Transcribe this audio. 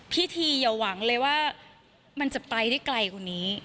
พิธีอย่าหวังเลยว่ามันจะไปได้ไกลกว่านี้